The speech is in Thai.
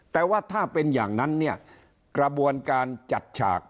แต่ว่าถ้าเป็นอย่างนั้นเนี่ยกระบวนการจัดฉาก